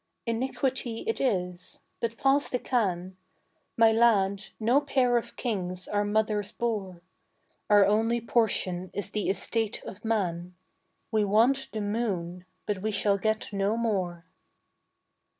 Iniquity it is; but pass the can. My lad, no pair of kings our mothers bore; Our only portion is the estate of man: We want the moon, but we shall get no more.